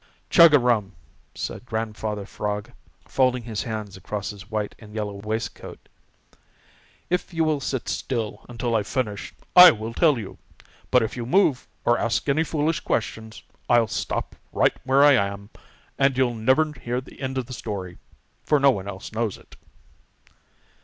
"Chug a rum!" said Grandfather Frog, folding his hands across his white and yellow waistcoat, "if you will sit still until I finish, I'll tell you; but if you move or ask any foolish questions, I'll stop right where I am, and you'll never hear the end of the story, for no one else knows it."